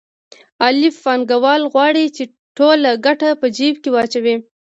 الف پانګوال غواړي چې ټوله ګټه په جېب کې واچوي